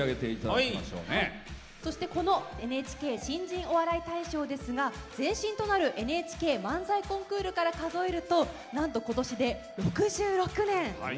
この「ＮＨＫ新人お笑い大賞」ですが前身となる「ＮＨＫ漫才コンクール」から数えるとなんと、今年で６６年。